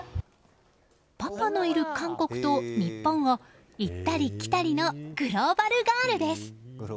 パパのいる韓国と日本を行ったり来たりのグローバルガールです。